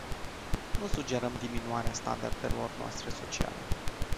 Nu sugerăm diminuarea standardelor noastre sociale.